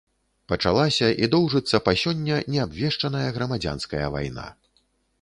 Пачалася і доўжыцца па сёння неабвешчаная грамадзянская вайна.